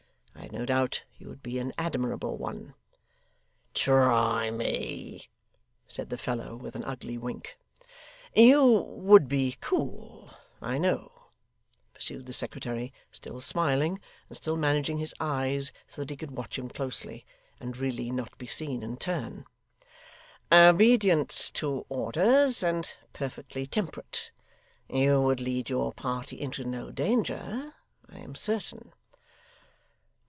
I have no doubt you would be an admirable one.' 'Try me,' said the fellow, with an ugly wink. 'You would be cool, I know,' pursued the secretary, still smiling, and still managing his eyes so that he could watch him closely, and really not be seen in turn, 'obedient to orders, and perfectly temperate. You would lead your party into no danger, I am certain.